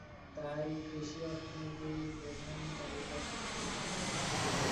তাই কৃষি অর্থনীতির প্রধান চালিকা শক্তি।